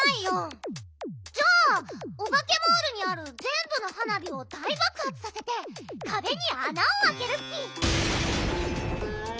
じゃあオバケモールにあるぜんぶの花火を大ばくはつさせてかべにあなをあけるッピ。